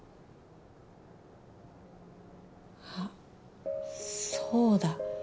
あっそうだ。